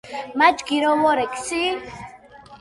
მა ჯგირო ვორექ სი?